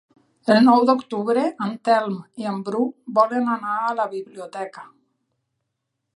El nou d'octubre en Telm i en Bru volen anar a la biblioteca.